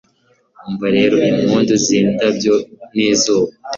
umva rero impundu zindabyo nizuba